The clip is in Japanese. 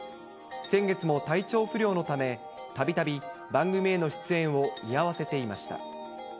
先月も体調不良のため、たびたび番組への出演を見合わせていました。